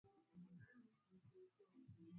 ana kwenda kwa asilimia ambao inakwenda sambamba